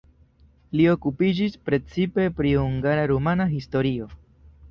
Li okupiĝis precipe pri hungara-rumana historio.